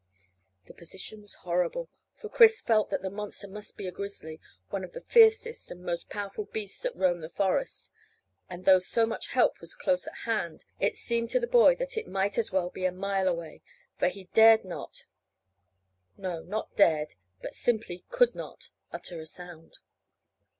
The position was horrible, for Chris felt that the monster must be a grizzly, one of the fiercest and most powerful beasts that roam the forest, and though so much help was close at hand, it seemed to the boy that it might as well be a mile away, for he dared not no, not dared, but simply could not utter a sound.